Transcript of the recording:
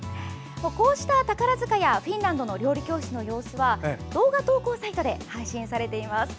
こうした宝塚やフィンランドの料理教室の様子は今日から動画投稿サイトで配信されます。